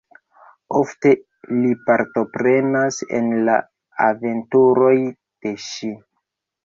Ofte li partoprenas en la aventuroj de ŝi.